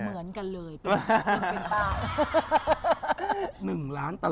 เหมือนกันเลยเปียงเป้า